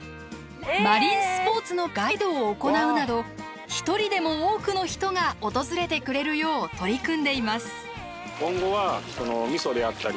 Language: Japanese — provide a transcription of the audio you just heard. マリンスポーツのガイドを行うなど１人でも多くの人が訪れてくれるよう取り組んでいます。